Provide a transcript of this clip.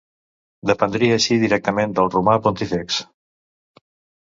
Dependria així directament del Romà Pontífex.